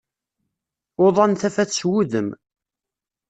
Uḍan tafat s wudem.